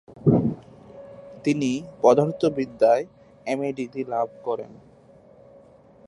তিনি পদার্থবিদ্যায় M A degree লাভ করেন।